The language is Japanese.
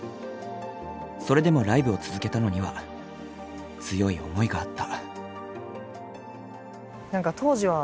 それでもライブを続けたのには強い思いがあった。